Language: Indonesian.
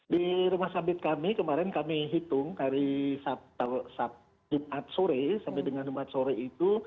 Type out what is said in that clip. di rumah sakit kami kemarin kami hitung dari sabtu sampai dengan jumat sore itu